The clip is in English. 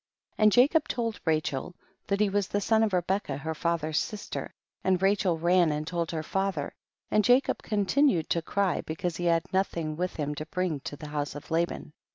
9. And Jacob told Rachel that he was the son of Rebecca her father's sister, and Rachel ran and told her father, and Jacob continued to cry because he had nothing* with him to bring to the house of Laban.